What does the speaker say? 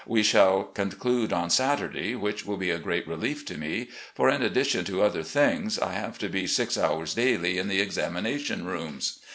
We shall conclude on Saturday, which will be a great relief to me, for, in addition to other things, I have to be six hours daily in the examination rooms.